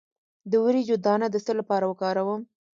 د وریجو دانه د څه لپاره وکاروم؟